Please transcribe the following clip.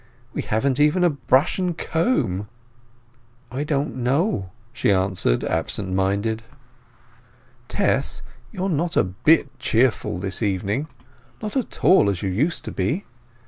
We haven't even a brush and comb." "I don't know," she answered, absent minded. "Tess, you are not a bit cheerful this evening—not at all as you used to be.